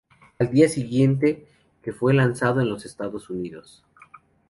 Al día siguiente, que fue lanzado en los Estados Unidos.